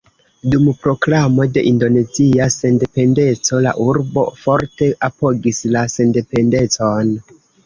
Dum proklamo de indonezia sendependeco la urbo forte apogis la sendependecon.